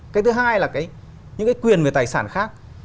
cái thứ hai là những cái quyền về tài sản khác